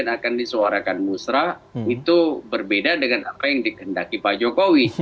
yang akan disuarakan musrah itu berbeda dengan apa yang dikendaki pak jokowi